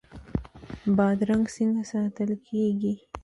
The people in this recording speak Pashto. بادرنګ څنګه ساتل کیږي؟